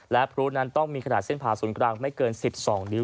และพลุนั้นต้องมีขนาดเส้นผ่าศูนย์กลางไม่เกิน๑๒นิ้ว